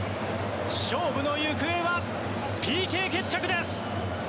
勝負の行方はＰＫ決着です。